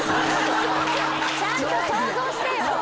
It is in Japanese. ちゃんと想像してよ！